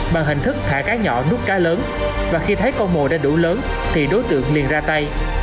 bằng hình thức thả cá nhỏ núp cá lớn và khi thấy con mồ đã đủ lớn thì đối tượng liền ra tay